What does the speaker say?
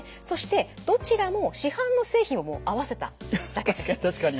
そしてどちらも市販の製品を合わせただけです。